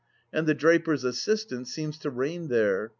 And the draper's assistant seems to reign there.